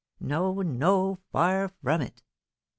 No, no, far from it.